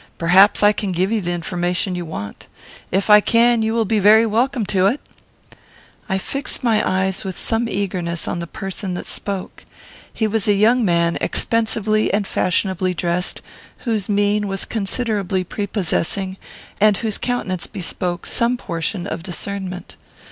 Perhaps I can give you the information you want. If I can, you will be very welcome to it." I fixed my eyes with some eagerness on the person that spoke. He was a young man, expensively and fashionably dressed, whose mien was considerably prepossessing, and whose countenance bespoke some portion of discernment.